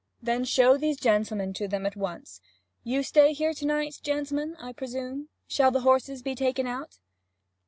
'Then show up these gentlemen to them at once. You stay here to night, gentlemen, I presume? Shall the horses be taken out?'